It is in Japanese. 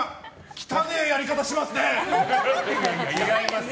きたねえやり方しますね！